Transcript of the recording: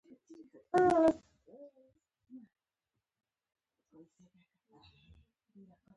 دوی به یو وحشي حیوان په ګډه مړه کاوه.